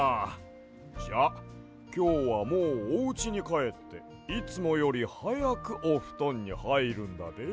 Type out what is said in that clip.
じゃあきょうはもうおうちにかえっていつもよりはやくおふとんにはいるんだで。